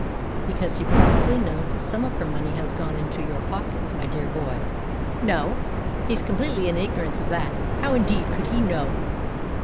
"Because he probably knows that some of her money has gone into your pockets, my dear boy." "No; he's completely in ignorance of that. How, indeed, could he know?